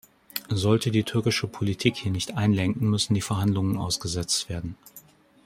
Sollte die türkische Politik hier nicht einlenken, müssen die Verhandlungen ausgesetzt werden.